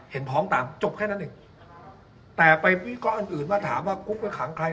เห็นพ้องตามจบแค่นั้นเองแต่ไปก็อื่นอื่นมาถามว่ากุ๊กไปขังใคร